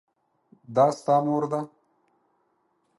دا ستا مور ده ؟